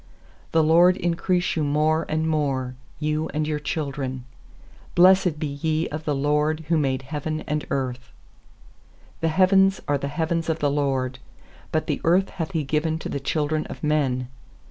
I4The LORD increase you more and more, You and your children. lfiBIessed be ye of the LORD, Who made heaven and earth. 16The heavens are the heavens of the LORD: But the earth hath He given to th< children of men.